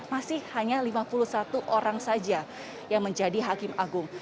masih hanya lima puluh satu orang saja yang menjadi hakim agung